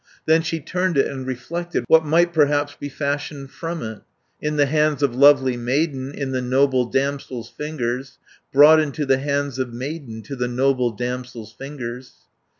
"Then she turned it and reflected, 'What might perhaps be fashioned from it, In the hands of lovely maiden, In the noble damsel's fingers, 270 Brought into the hands of maiden, To the noble damsel's fingers?'